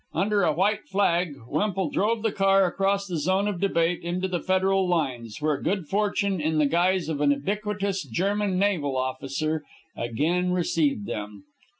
Under a white flag, Wemple drove the car across the zone of debate into the federal lines, where good fortune, in the guise of an ubiquitous German naval officer, again received them.